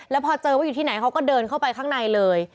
แล้วพอเจอว่าอยู่ที่ไหนเขาก็เดินเข้าไปข้างในเลย